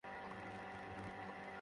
এবার, এদিকে চলে আসুন।